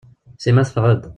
Sima teffeɣ-d.